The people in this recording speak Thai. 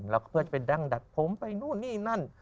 แล้วก็เพื่อจะไปดั้งดัดผมไปนู่นนี่นั่น